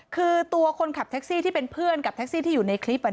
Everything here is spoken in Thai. คือตัวคนขับแท็กซี่ที่เป็นเพื่อนกับแท็กซี่ที่อยู่ในคลิป